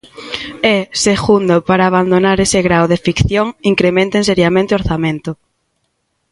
E, segundo, para abandonar ese grao de ficción, incrementen seriamente o orzamento.